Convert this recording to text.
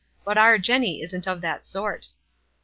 "But our Jenny ain't of that sort."